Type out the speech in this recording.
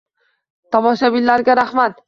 Tomoshabinlarga rahmat